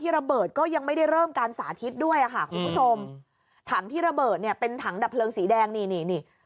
ราเบิดเป็นถังดับเพลิงสีแดงนี่นี่นี่